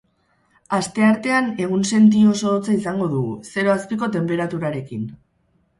Asteartean egunsenti oso hotza izango dugu, zero azpiko tenperaturarekin.